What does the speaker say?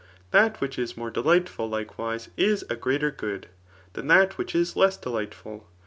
That which is more delightful, likewise, [Is a greater goodj than that which is less delightful.